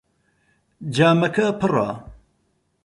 جامەکە پڕە.